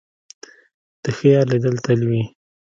د ښه یار لیدل تل وي.